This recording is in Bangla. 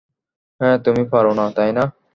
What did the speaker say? হ্যাঁ, তুমি পারো না, তাই না?